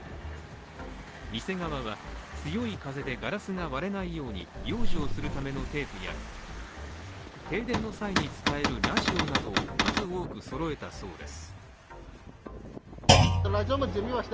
店側は、強い風でガラスが割れないように養生するためのテープや停電の際に使えるラジオなどを数多くそろえたそうです。